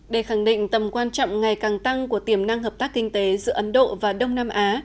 để khẳng định tầm quan trọng ngày càng tăng của tiềm năng hợp tác kinh tế giữa ấn độ và đông nam á